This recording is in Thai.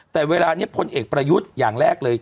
แต่เวลานี้พลเอกประยุทธ์อย่างแรกเลย